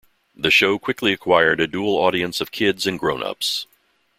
The show quickly acquired a dual audience of kids and grownups.